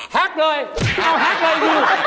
ฮักเลยเอาฮักเลยวิว